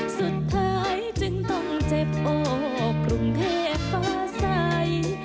สุดท้ายจึงต้องเจ็บโอ้กรุงเทพฟ้าใส